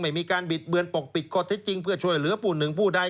ไม่มีการบิดเบือนปกปิดข้อเท็จจริงเพื่อช่วยเหลือผู้หนึ่งผู้ใด